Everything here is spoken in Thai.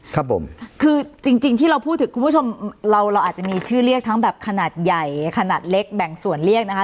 ครับผมคือจริงจริงที่เราพูดถึงคุณผู้ชมเราเราอาจจะมีชื่อเรียกทั้งแบบขนาดใหญ่ขนาดเล็กแบ่งส่วนเรียกนะคะ